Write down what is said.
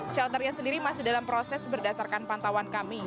shelternya sendiri masih dalam proses berdasarkan pantauan kami